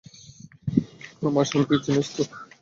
আমার স্বামীকে চিনিস তো?